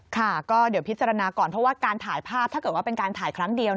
ค่ะก็เดี๋ยวพิจารณาก่อนเพราะว่าการถ่ายภาพถ้าเกิดว่าเป็นการถ่ายครั้งเดียว